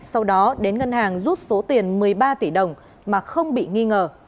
sau đó đến ngân hàng rút số tiền một mươi ba tỷ đồng mà không bị nghi ngờ